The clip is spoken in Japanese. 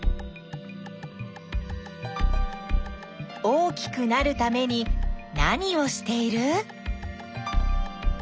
大きくなるために何をしている？